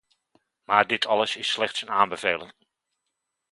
Maar dit alles is slechts een aanbeveling.